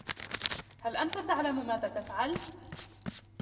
هل أنت تعلم ماذا تفعل ؟